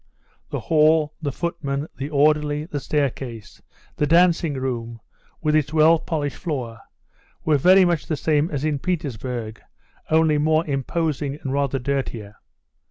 The hall, the footman, the orderly, the staircase, the dancing room, with its well polished floor, were very much the same as in Petersburg, only more imposing and rather dirtier.